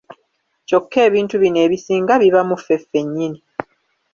Kyokka ebintu bino ebisinga biba mu ffe ffennyini.